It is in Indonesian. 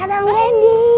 dadah om randy